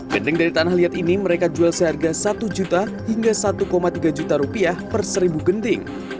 genting dari tanah liat ini mereka jual seharga satu juta hingga satu tiga juta rupiah per seribu genting